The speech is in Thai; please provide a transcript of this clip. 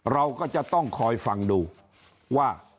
เราก็จะต้องคอยฟังดูว่า